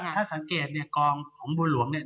ถ้าสังเกตกองของบุหรวงเนี่ย